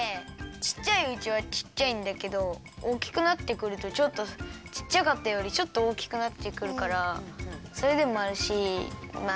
ちっちゃいうちはちっちゃいんだけどおおきくなってくるとちょっとちっちゃかったよりちょっとおおきくなってくるからそれでもあるしまあ